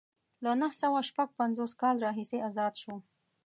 له نهه سوه شپږ پنځوس کال راهیسې ازاد شو.